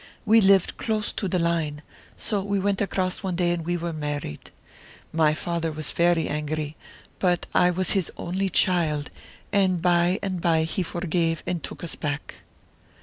We lived close to the line, so we went across one day and were married. My father was very angry, but I was his only child, and by and by he forgave and took us back."